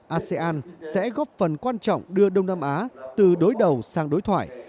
asean sẽ góp phần quan trọng đưa đông nam á từ đối đầu sang đối thoại